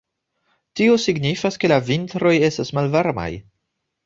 Tio signifas ke la vintroj estas malvarmaj.